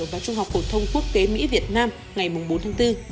và trung học phổ thông quốc tế mỹ việt nam ngày bốn tháng bốn